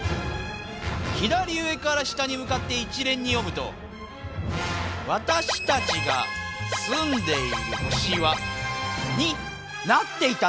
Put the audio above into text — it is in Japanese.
左上から下にむかって一連に読むと「わたしたちがすんでいるほしは？」になっていたんだ。